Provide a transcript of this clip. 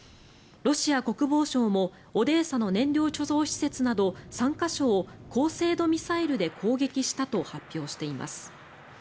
ロシア国防省もオデーサの燃料貯蔵施設など３か所を高精度ミサイルで攻撃したと発表しています。